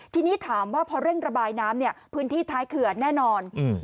ทีนี้ถามว่าพอเร่งระบายน้ำเนี่ยพื้นที่ท้ายเขื่อนแน่นอน